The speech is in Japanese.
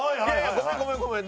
ごめんごめんごめん